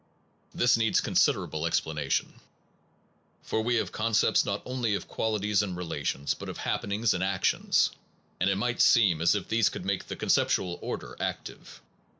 This needs considerable explanation, for we have concepts not only of qualities and rela tions, but of happenings and actions; and it might seem as if these could make the con ceptual order active.